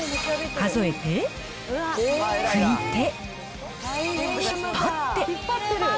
数えて、拭いて、引っ張って。